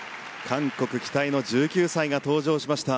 韓国期待の１９歳が登場しました。